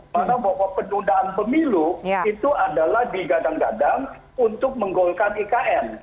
karena bahwa pendudukan pemilu itu adalah digadang gadang untuk menggolkan ikn